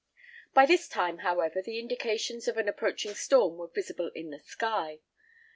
By this time, however, the indications of an approaching storm were visible in the sky.